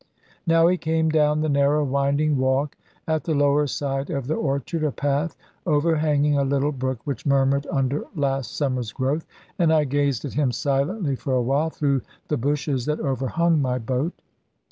Now he came down the narrow winding walk, at the lower side of the orchard, a path overhanging a little brook which murmured under last summer's growth; and I gazed at him silently for a while, through the bushes that overhung my boat.